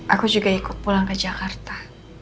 aku juga ikut pulang ke jakarta